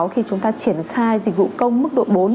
khi chúng ta triển khai dịch vụ công mức độ bốn